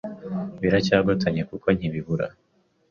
Biracyagotanye kuko nkibibura